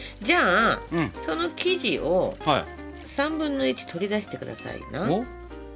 じゃあその生地を３分の１取り出して下さいな。